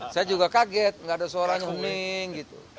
saya juga kaget gak ada suaranya huming